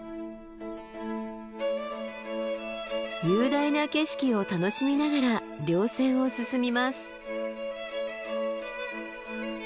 雄大な景色を楽しみながら稜線を進みます。